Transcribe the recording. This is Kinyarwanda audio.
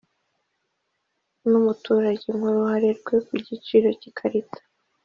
n umuturage nk uruhare rwe ku giciro cy ikarita